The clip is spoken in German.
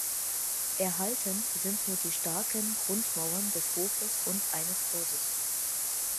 Erhalten sind nur die starken Grundmauern des Hofes und eines Hauses.